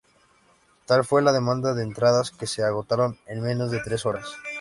Tal fue la demanda de entradas, que se agotaron en menos de tres horas.